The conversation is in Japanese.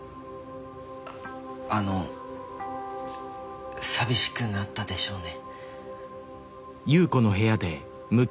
ああの寂しくなったでしょうね。